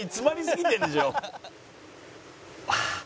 ああ！